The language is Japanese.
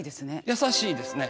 優しいですね。